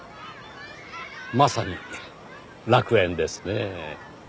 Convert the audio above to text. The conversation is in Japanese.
まさに楽園ですねぇ。